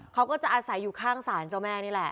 เขาก็จะอาศัยอยู่ข้างศาลเจ้าแม่นี่แหละ